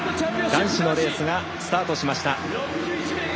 男子のレースがスタートしました。